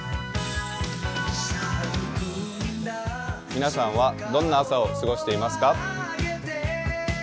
皆さんはどんな朝を過ごしていますか？